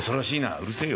「うるせえよ」。